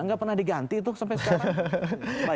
nggak pernah diganti tuh sampai sekarang